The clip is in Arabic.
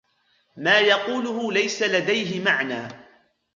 ما يقوله ليس لديه معنى.